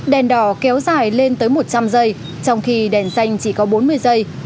đèn đỏ kéo dài lên tới một trăm linh giây trong khi đèn xanh chỉ có bốn mươi giây